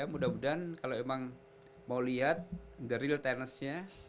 mudah mudahan kalo emang mau lihat the real tennis nya